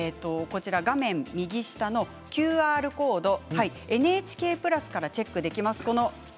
画面右下のＱＲコードＮＨＫプラスからチェックできます。